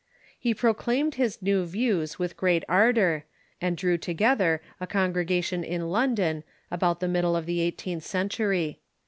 He proclaimed his new views with great ardor, and drew together a congregation in London about the middle of the eighteenth century.